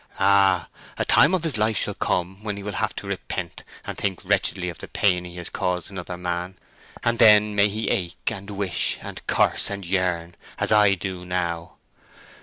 Ah, a time of his life shall come when he will have to repent, and think wretchedly of the pain he has caused another man; and then may he ache, and wish, and curse, and yearn—as I do now!"